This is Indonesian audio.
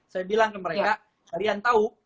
saya bilang ke mereka kalian tahu